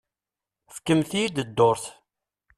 Fkemt-iyi-d dduṛt.